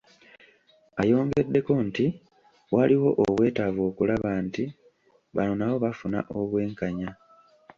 Ayongeddeko nti waliwo obwetaavu okulaba nti bano nabo bafuna obwenkanya .